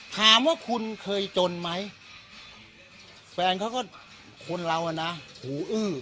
ถามว่าคุณเคยจนไหมแฟนเขาก็คนเราอ่ะนะหูอื้อ